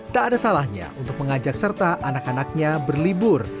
tak ada salahnya untuk mengajak serta anak anaknya berlibur